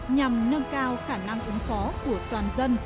nhằm nâng cao khả năng ứng phó của toàn dân